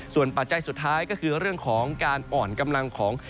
ส่วนปัจจัยสุดท้ายก็คือเรื่องของการอ่อนกำลังของ